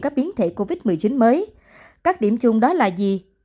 các biến thể covid một mươi chín mới các điểm chung đó là gì